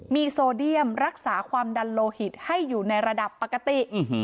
มีโซเดียมรักษาความดันโลหิตให้อยู่ในระดับปกติ